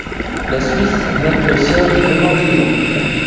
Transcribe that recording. Les Suisses mettent le siège devant Dijon.